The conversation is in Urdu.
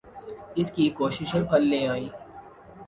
اس کی کوششیں پھل لے آئیں۔